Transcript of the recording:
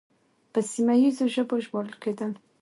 په سیمه ییزو ژبو ژباړل کېدل